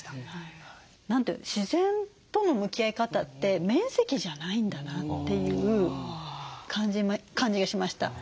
自然との向き合い方って面積じゃないんだなっていう感じがしました。